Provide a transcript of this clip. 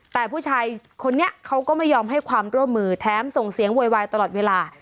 แต่ผู้ชายคนนี้เขาก็ไม่ยอมให้ความร่วมมือแถมส่งเสียงโวยวายตลอดเวลา